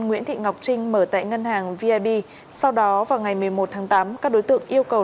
nguyễn thị ngọc trinh mở tại ngân hàng vib sau đó vào ngày một mươi một tháng tám các đối tượng yêu cầu